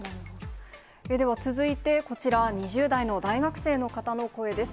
では続いてこちら、２０代の大学生の方の声です。